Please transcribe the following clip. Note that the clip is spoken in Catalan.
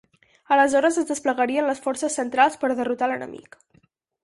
Aleshores es desplegarien les forces centrals per derrotar l'enemic.